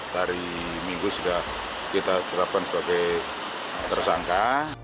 dari minggu sudah kita terapkan sebagai tersangka